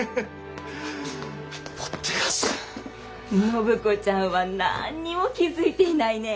暢子ちゃんは何にも気付いていないね。